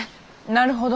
なるほど。